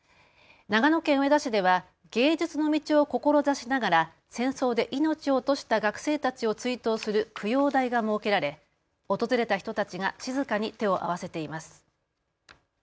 長野県上田市では芸術の道を志しながら戦争で命を落とした学生たちを追悼する供養台が設けられ、訪れた人たちが静かに手を合わせています。